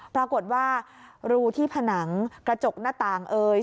ปรากฏว่ารูที่ผนังกระจกหน้าต่างเอย